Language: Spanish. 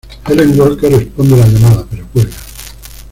Helen Walker responde la llamada, pero cuelga.